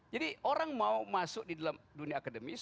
jadi orang mau masuk di dalam dunia akademis